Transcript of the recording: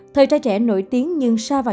thời trai trẻ nổi tiếng nhưng xa vào